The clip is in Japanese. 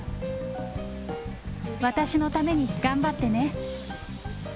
私のために頑張ってね。